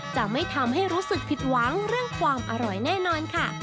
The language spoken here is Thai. จะไม่ทำให้รู้สึกผิดหวังเรื่องความอร่อยแน่นอนค่ะ